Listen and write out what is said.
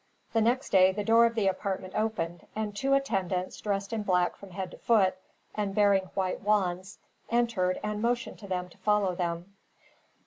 The next day the door of the apartment opened, and two attendants, dressed in black from head to foot, and bearing white wands, entered, and motioned to them to follow them.